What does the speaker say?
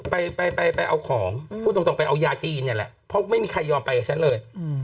พูดตรงไปเอายาจีนอย่างนั้นแหละเพราะไม่มีใครยอมไปกับฉันเลย